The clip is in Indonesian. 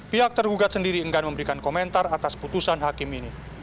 pihak tergugat sendiri enggan memberikan komentar atas putusan hakim ini